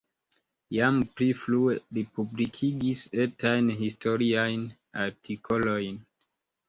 Jam pli frue li publikigis etajn historiajn artikolojn.